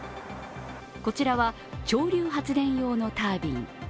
こちらは潮流発電用のタービン。